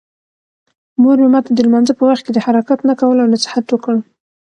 مور مې ماته د لمانځه په وخت د حرکت نه کولو نصیحت وکړ.